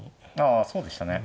あそうでしたね。